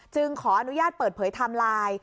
ขออนุญาตเปิดเผยไทม์ไลน์